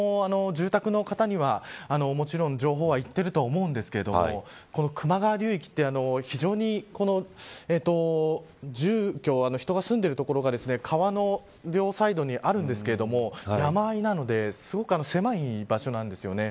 周りの住宅の方には、もちろん情報はいっていると思うんですがこの球磨川流域って非常に住居、人が住んでいる所が川の両サイドにあるんですけど山あいなのですごく狭い場所なんですよね。